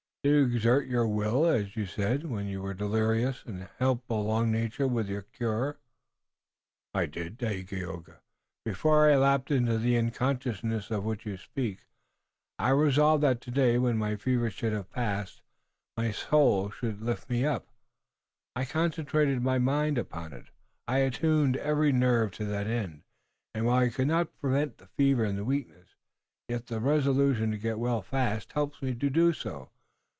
Did you exert your will, as you said, when you were delirious, and help along nature with your cure?" "I did, Dagaeoga. Before I lapsed into the unconsciousness of which you speak, I resolved that today, when my fever should have passed, my soul should lift me up. I concentrated my mind upon it, I attuned every nerve to that end, and while I could not prevent the fever and the weakness, yet the resolution to get well fast helps me to do so.